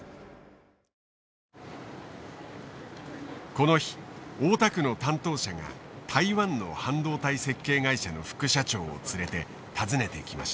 この日大田区の担当者が台湾の半導体設計会社の副社長を連れて訪ねてきました。